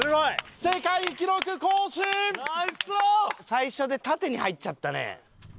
最初で縦に入っちゃったね。